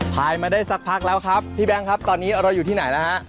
ภายมาได้สักพักแล้วครับพี่แบงค์ครับตอนนี้เราอยู่ที่ไหนแล้วฮะ